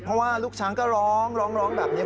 เพราะว่าลูกช้างก็ร้องร้องแบบนี้